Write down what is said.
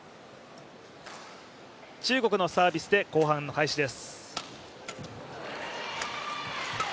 中国のサービスで後半の開始です。